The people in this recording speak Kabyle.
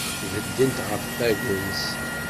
Beddent ɣef wagens.